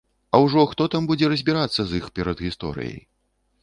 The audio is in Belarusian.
А ўжо хто там будзе разбірацца з іх перадгісторыяй?